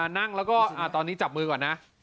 นั่งแล้วก็ตอนนี้จับมือก่อนนะ